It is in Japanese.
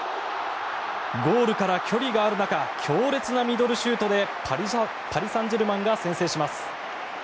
ゴールから距離がある中強烈なミドルシュートでパリ・サンジェルマンが先制します。